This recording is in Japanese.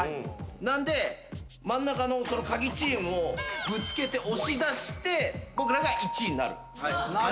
なんで真ん中のカギチームをぶつけて押し出して僕らが１位になる。